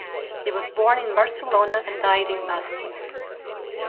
He was born in Barcelona and died in Bastia.